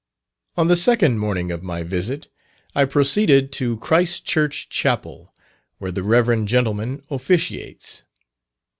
On the second morning of my visit, I proceeded to Christ Church Chapel, where the rev. gentleman officiates.